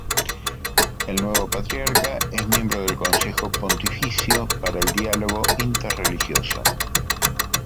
El nuevo patriarca es miembro del Consejo Pontificio para el Diálogo Interreligioso.